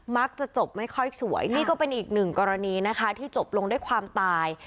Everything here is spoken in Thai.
มักจะจบไม่ค่อยสวยนี่ก็เป็นอีกหนึ่งกรณีนะคะที่จบลงด้วยความตาย